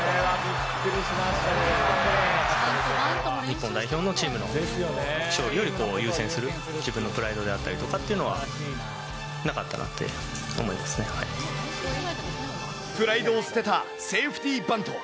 日本代表のチームの勝利より優先する自分のプライドであったりとかっていうのは、プライドを捨てたセーフティバント。